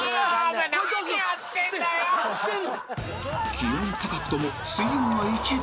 ［気温高くとも水温は１℃］